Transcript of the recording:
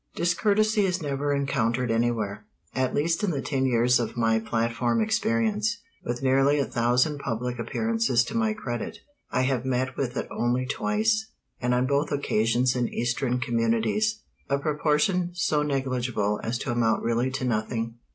Discourtesy is never encountered anywhere. At least in the ten years of my platform experience, with nearly a thousand public appearances to my credit, I have met with it only twice, and on both occasions in Eastern communities; a proportion so negligible as to amount really to nothing.